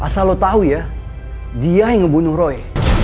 asal lo tahu ya dia yang ngebunuh roy